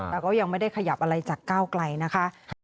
แต่ก็ยังไม่ได้ขยับอะไรจากก้าวไกลนะคะ